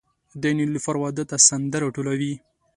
د نیلوفر واده ته سندرې ټولوي